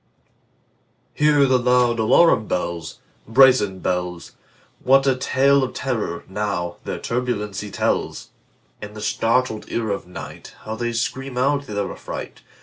Hear the loud alarum bells, Brazen bells! What a tale of terror, now, their turbulency tells! In the startled ear of nightHow they scream out their affright!